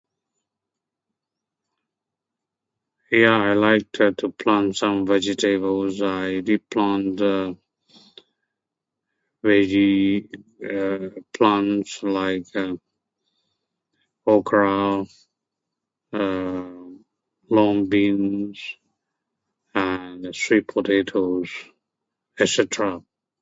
yeah, I like to plant some vegetables, I did plant veggie plants like okra, long beans and sweet potatoes, et cetera